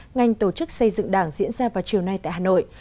ngành tổ chức xây dựng đảng diễn ra vào chiều nay tại hà nội